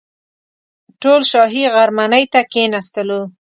ټول شاهي غرمنۍ ته کښېنستلو.